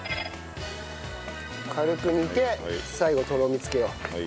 軽く煮て最後とろみつけよう。